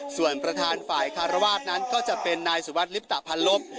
ส่วนประธานฝ่ายคารวาสนั้นก็จะเป็นนายสุวัสดิลิปตะพันลบ